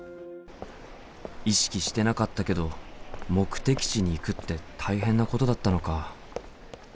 意識してなかったけど目的地に行くって大変なことだったのか。